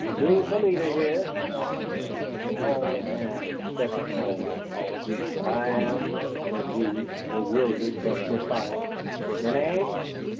"Who's the leader here?" he demanded. A tall man stepped forward. "I am," said he, bewildered but defiant. "Your name?"